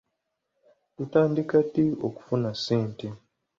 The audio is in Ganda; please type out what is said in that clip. Tutandika ddi okufuna ssente.